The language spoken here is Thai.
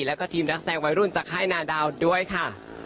แล้วก็ทีมนักแสดงวัยรุ่นจากค่ายนาดาวด้วยค่ะ